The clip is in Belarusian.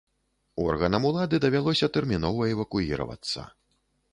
Органам улады давялося тэрмінова эвакуіравацца.